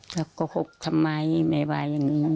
แล้วโกหกทำไมแม่ว่าอย่างนี้